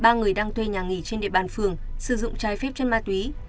ba người đang thuê nhà nghỉ trên địa bàn phường sử dụng trái phép chất ma túy